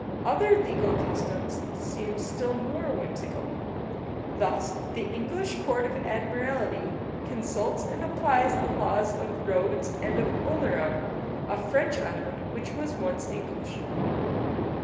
Other legal customs seem still more whimsical. Thus, the English Court of Admiralty consults and applies the laws of Rhodes and of Oleron, a French island which was once English.